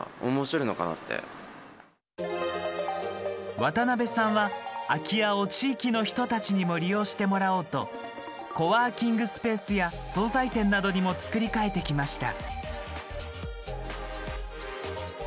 渡邊さんは空き家を地域の人たちにも利用してもらおうとコワーキングスペースや総菜店などにも造り替えてきました。